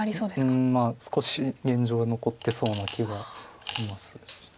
うん少し現状残ってそうな気がします。